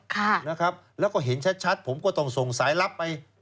ค่ะนะครับแล้วก็เห็นชัดผมก็ต้องส่งสายลับไป